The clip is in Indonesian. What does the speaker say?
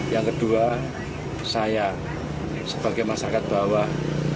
yang kedua saya sebagai masyarakat bawah